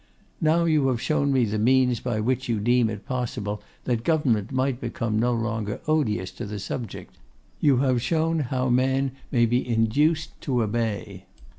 Now you have shown to me the means by which you deem it possible that government might become no longer odious to the subject; you have shown how man may be induced to obey.